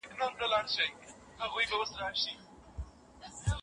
د لارښود استاد ټاکل یوه خورا مهمه پرېکړه ده.